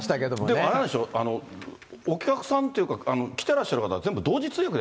でも、あれなんでしょ、お客さんっていうか、来てらっしゃる方は全部同時通訳で。